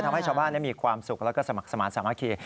ทำให้ชาวบ้านมีความสุขแล้วก็สมัครสมาธิสามัคคี